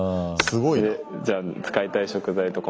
すごいな。